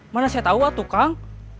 mana saya tau ah tukang